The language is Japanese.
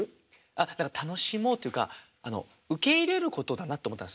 だから楽しもうっていうかあの受け入れることだなと思ったんです。